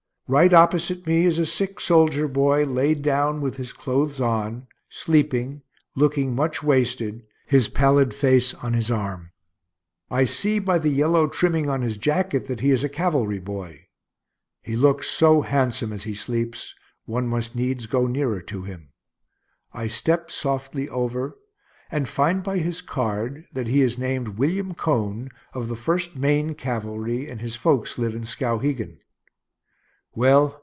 Right opposite me is a sick soldier boy laid down with his clothes on, sleeping, looking much wasted, his pallid face on his arm. I see by the yellow trimming on his jacket that he is a cavalry boy. He looks so handsome as he sleeps, one must needs go nearer to him. I step softly over, and find by his card that he is named William Cone, of the First Maine Cavalry, and his folks live in Skowhegan.